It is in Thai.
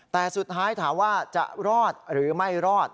แต่สุดท้ายถามว่าจะรอดหรือไม่รอด